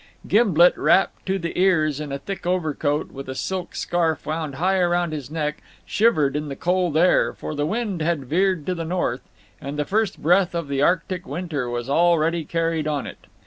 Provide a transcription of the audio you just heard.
Gimblet, wrapped to the ears in a thick overcoat, and with a silk scarf wound high round his neck, shivered in the cold air, for the wind had veered to the north, and the first breath of the Arctic winter was already carried on it.